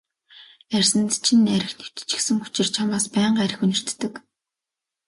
Арьсанд чинь архи нэвччихсэн учир чамаас байнга архи үнэртдэг.